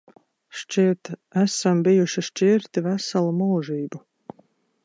Šķiet, esam bijuši šķirti veselu mūžību.